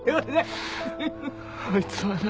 あいつはな。